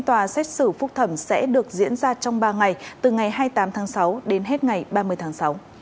tòa xét xử phúc thẩm sẽ được diễn ra trong ba ngày từ ngày hai mươi tám tháng sáu đến hết ngày ba mươi tháng sáu